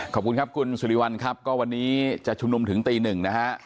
ขอบคุณครับคุณสุริวัลครับก็วันนี้จะชุมนุมถึงตีหนึ่งนะฮะ